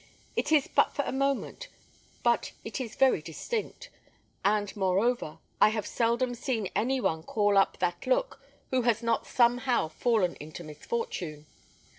It is but for a moment, but it is very distinct; and moreover, I have seldom seen any one call up that look who has not somehow fallen into misfortune.